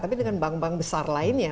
tapi dengan bank bank besar lainnya